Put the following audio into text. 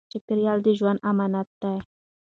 چاپېریال د ژوند امانت دی.